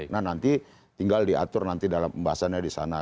nah nanti tinggal diatur nanti dalam pembahasannya di sana